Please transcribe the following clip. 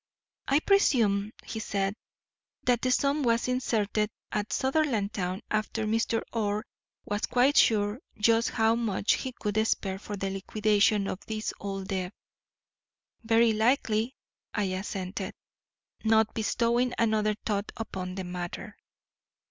'I presume,' said he, 'that the sum was inserted at Sutherlandtown, after Mr. Orr was quite sure just how much he could spare for the liquidation of this old debt.' 'Very likely,' I assented, not bestowing another thought upon the matter.